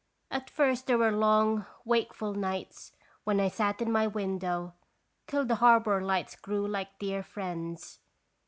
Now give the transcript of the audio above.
At first there were long, wakeful nights, when I sat in my window, till the harbor lights grew like dear friends.